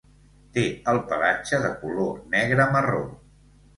Té el pelatge de color negre-marró.